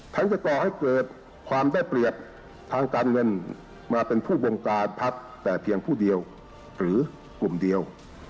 ทั้งจะก่อให้เกิดความได้เปรียบทางการเงินมาเป็นผู้บงการพักแต่เพียงผู้เดียวหรือกลุ่มเดียว